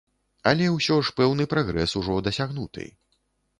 Але ўсё ж пэўны прагрэс ужо дасягнуты.